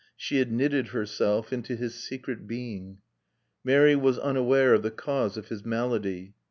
She had knitted herself into his secret being. Mary was unaware of the cause of his malady.